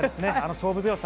勝負強さ。